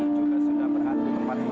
juga sudah berada di tempat ini